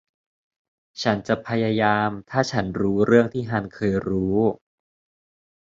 ฉันจะพยายามถ้าฉันรู้เรื่องที่ฮันเคยรู้